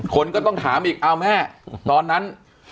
คนก็ต้องถามอีกอ้าวแม่ตอนนั้น